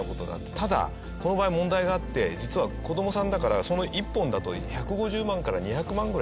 ただこの場合問題があって実は子供さんだから１本だと１５０万から２００万ぐらいするらしいんです。